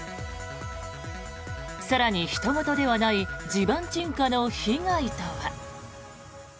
更に、ひと事ではない地盤沈下の被害とは。